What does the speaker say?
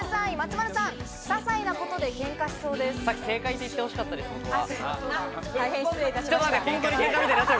さっき正解って言って欲しかったです、僕は。